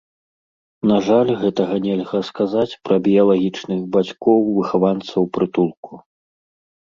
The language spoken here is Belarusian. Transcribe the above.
На жаль, гэтага нельга сказаць пра біялагічных бацькоў выхаванцаў прытулку.